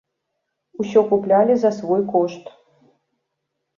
Усё куплялі за свой кошт.